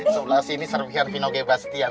sebelah sini serpihan vino gebastian